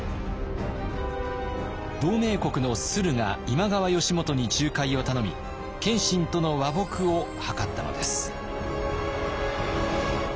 同盟国の駿河今川義元に仲介を頼み謙信との和睦をはかったのです。